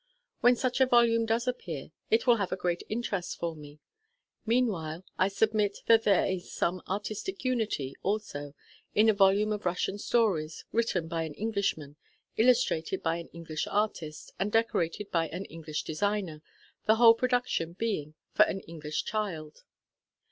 When such a volume does appear, it will have a great interest for me. Meanwhile, I submit that there is some artistic unity, also, in a volume of Russian stories, written by an Englishman, illustrated by an English artist, and decorated by an English designer, the whole production being for an English child.